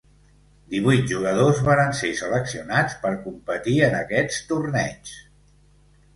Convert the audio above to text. Divuit jugadors varen ser seleccionats per competir en aquests torneigs.